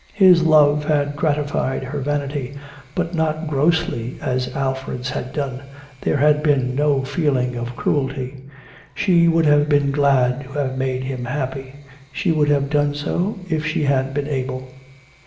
His love had gratified her vanity, but not grossly as Alfred's had done, there had been no feeling of cruelty; she would have been glad to have made him happy; she would have done so if she had been able.